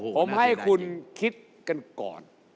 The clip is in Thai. ผมให้คุณคิดกันก่อน